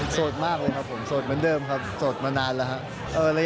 สดมากเลยครับผมโสดเหมือนเดิมครับโสดมานานแล้วครับ